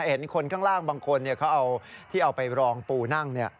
เห็นคนข้างล่างบางคนเขาเอาที่เอาไปรองปูนั่ง